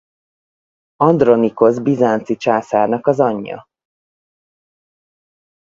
Andronikosz bizánci császárnak az anyja.